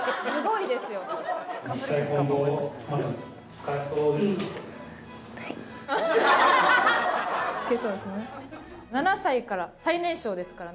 いけそうですね。